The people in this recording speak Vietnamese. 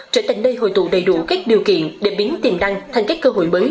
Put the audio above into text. trở thành nơi hội tụ đầy đủ các điều kiện để biến tiềm năng thành các cơ hội mới